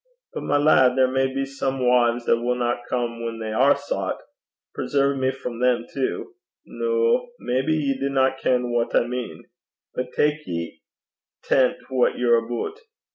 'But, my lad, there may be some wives that winna come whan they are soucht. Preserve me frae them too! Noo, maybe ye dinna ken what I mean but tak ye tent what ye're aboot.